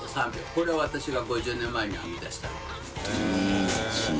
海譴私が５０年前に編み出した。